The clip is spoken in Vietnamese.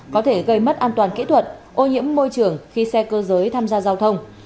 có thể gây mất an toàn kỹ thuật ô nhiễm môi trường khi xe cơ giới tham gia giao thông